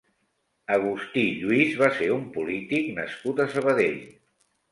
Agustí Lluís va ser un polític nascut a Sabadell.